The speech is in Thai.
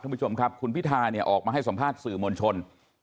ผู้ชมครับคุณพิธาเนี่ยออกมาให้สัมภาษณ์สื่อมวลชน